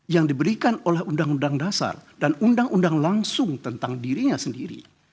yang diberikan oleh undang undang dasar dan undang undang langsung tentang dirinya sendiri